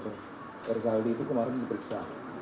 mas ibu pak rizal itu kemarin diperiksa